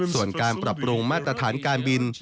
ส่วนการปรับปรุงมาตรฐานการบิน